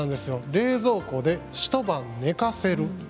冷蔵庫で一晩寝かせる。